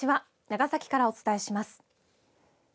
長崎からお伝えします。